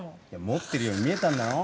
持ってるように見えたんだろ。